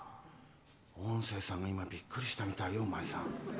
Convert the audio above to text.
音声さんが今、びっくりしたみたいよお前さん。